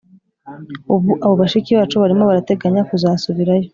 Ubu abo bashiki bacu barimo barateganya kuzasubirayo